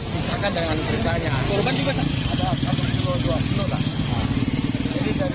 bisa kan dengan keretanya